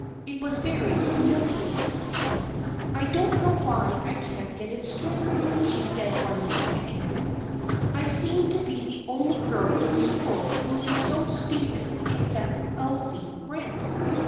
It was very humiliating. " I don't know why I can't get it straight," she said one day to Anne. " I seem to be the only girl in school who is so stupid except Elsie Brent.